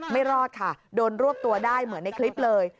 ไม่รอดค่ะโดนรวบตัวได้เหมือนในคลิปเลย